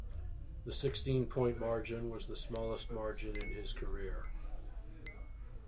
The sixteen-point margin was the smallest margin in his career.